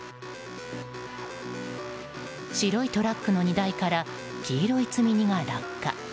白いトラックの荷台から黄色い積み荷が落下。